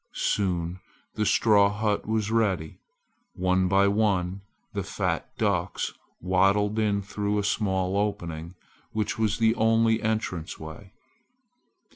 Soon the straw hut was ready. One by one the fat ducks waddled in through a small opening, which was the only entrance way.